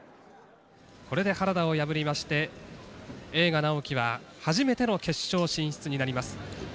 「これで原田を破りまして栄花直輝は初めての決勝進出になります。